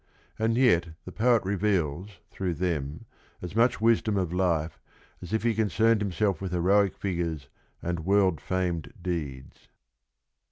And yet the poet reveals through them as much wis dom of life as if he concerned himself with heroic figures and world famed deeds.